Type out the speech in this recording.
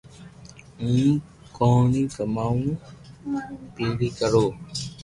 ھون ڪوئي ڪماوُ پئري ڪرو